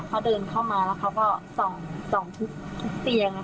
เขาเดินเข้ามาแล้วเขาก็ส่องทุกเตียง